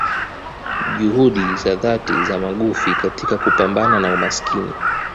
Juhudi za dhati za magufi katika kupambana na umasikini